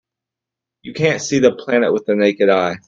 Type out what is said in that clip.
You can't see the planet with the naked eye.